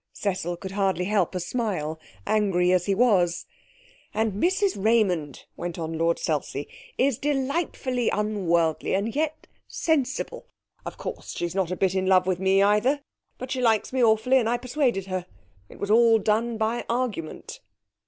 Cecil could hardly help a smile, angry as he was. 'And Mrs Raymond,' went on Lord Selsey, 'is delightfully unworldly and yet sensible. Of course, she's not a bit in love with me either. But she likes me awfully, and I persuaded her. It was all done by argument.'